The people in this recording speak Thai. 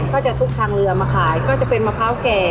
ก็จะทุกทางเรือมาขายก็จะเป็นมะพร้าวแก่